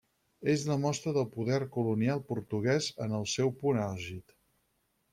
És la mostra del poder colonial portuguès en el seu punt àlgid.